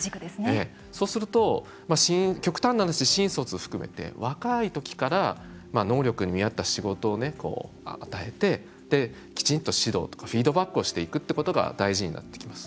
そうすると、極端な話新卒を含めて若い時から能力に見合った仕事を与えて、きちんと指導フィードバックをしていくことが大事になってきます。